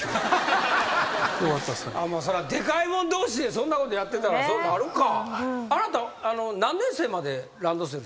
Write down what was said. そらでかいもん同士でそんなことやってたらそうなるか。